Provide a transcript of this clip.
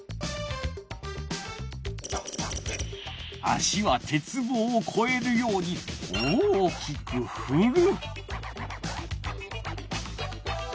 足は鉄棒をこえるように大きくふる。